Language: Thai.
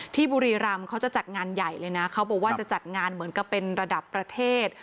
บุรีรำเขาจะจัดงานใหญ่เลยนะเขาบอกว่าจะจัดงานเหมือนกับเป็นระดับประเทศ